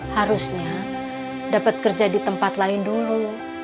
harusnya dapat kerja di tempat lain dulu